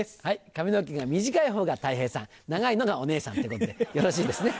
髪の毛が短いほうがたい平さん長いのがお姉さんってことでよろしいですね